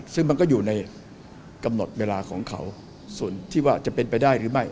ซึ่งมันก็อยู่ในกำหนดเวลาของเขาส่วนที่ว่าจะเป็นไปได้หรือไม่